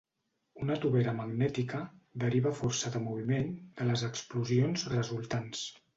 Una tovera magnètica deriva força de moviment de les explosions resultants.